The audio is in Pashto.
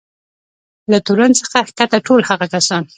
له تورن څخه کښته ټول هغه کسان.